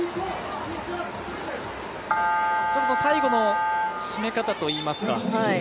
最後の締め方といいますか。